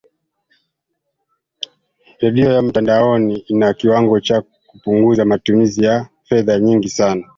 redio ya mtandaoni ina kiwango cha kupunguza matumizi ya fedha nyingi sana